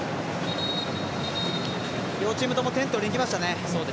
両チームとも点取りにいきましたね。